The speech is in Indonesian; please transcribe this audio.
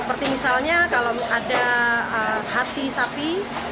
seperti misalnya kalau ada hati sapi